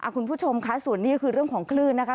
คุณผู้ชมค่ะส่วนนี้ก็คือเรื่องของคลื่นนะคะ